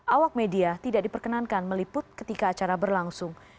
awak media tidak diperkenankan meliput ketika acara berlangsung